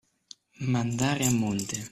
Mandare a monte.